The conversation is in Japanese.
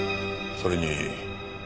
それに？